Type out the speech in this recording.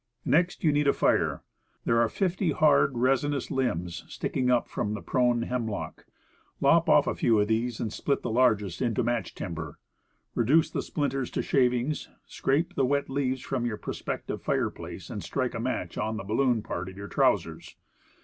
Next, you need a fire. There are fifty hard, resinous limbs sticking up from the prone hemlock; lop off a few of these, and split the largest into match timber; reduce the splinters to shavings, scrape the wet leaves from your prospective fire place, and strike a match on the balloon part of your trousers.